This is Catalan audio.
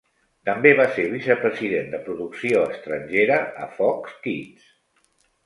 També va ser vicepresident de producció estrangera a Fox Kids.